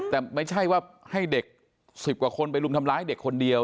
แต่ไม่ใช่ว่าให้เด็ก๑๐กว่าคนไปรุมทำร้ายเด็กคนเดียว